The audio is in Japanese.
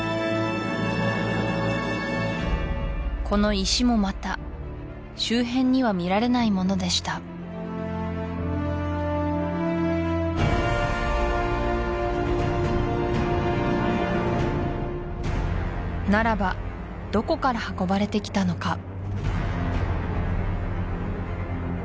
この石もまた周辺には見られないものでしたならばどこから運ばれてきたのか？